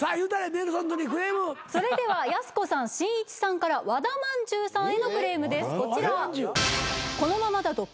それではやす子さんしんいちさんから和田まんじゅうさんへのクレームですこちら。